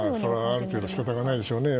ある程度仕方がないでしょうね。